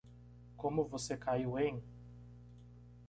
Como você caiu em?